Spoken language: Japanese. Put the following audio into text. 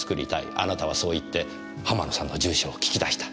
あなたはそう言って浜野さんの住所を聞き出した。